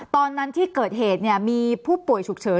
ตอนนั้นที่เกิดเหตุมีผู้ป่วยฉุกเฉิน